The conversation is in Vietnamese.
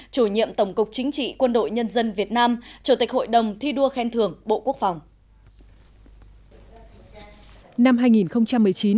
chủ nhiệm tổng cục chính trị quân đội nhân dân việt nam chủ tịch hội đồng thi đua khen thưởng bộ quốc phòng